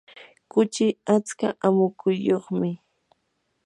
kuchi atska amukuyuqmi.